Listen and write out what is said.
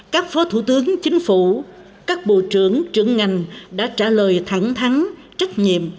các phó thủ tướng chính phủ các bộ trưởng trưởng ngành đã trả lời thẳng thắng trách nhiệm